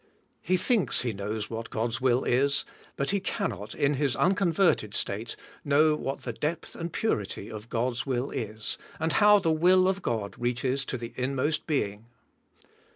He thinks he knows what God's will is, but he cannot, in his unconverted state, know what the depth and purity of God's will is, and how the will of God reaches to the inmost being.